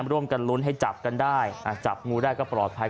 ร่วมกันลุ้นให้จับกันได้จับงูได้ก็ปลอดภัย